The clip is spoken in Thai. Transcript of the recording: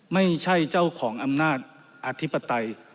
ไม่ใช่เจ้าของอำนาจอธิปไตย